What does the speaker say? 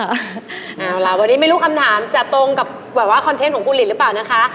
เอาล่ะวันนี้ไม่รู้คำถามจะตรงกับแบบว่าคอนเทนต์ของคุณหลินหรือเปล่านะคะ